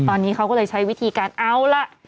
ตอนนี้เขาก็เลยใช้วิธีการเอาล่ะ